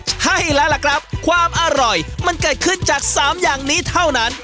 ใช่แล้วล่ะครับความอร่อยมันเกิดขึ้นจาก๓อย่างนี้เท่านั้น